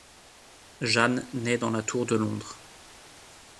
Jeanne naît dans la Tour de Londres.